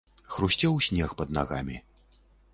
Хрусцеў снег пад нагамі.